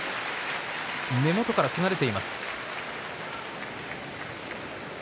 目元から血が出ています。